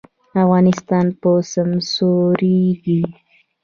افغانستان به سمسوریږي؟